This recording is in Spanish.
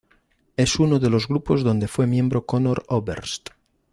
Es uno de los grupos donde fue miembro Conor Oberst.